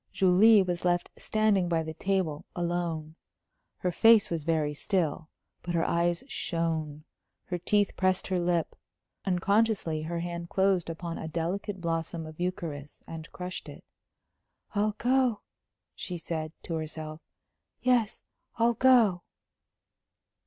Julie was left standing by the table, alone. Her face was very still, but her eyes shone, her teeth pressed her lip. Unconsciously her hand closed upon a delicate blossom of eucharis and crushed it. "I'll go," she said, to herself. "Yes, I'll go."